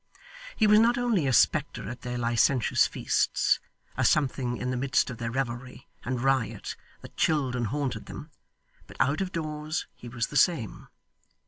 He was not only a spectre at their licentious feasts; a something in the midst of their revelry and riot that chilled and haunted them; but out of doors he was the same.